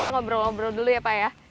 ngobrol ngobrol dulu ya pak ya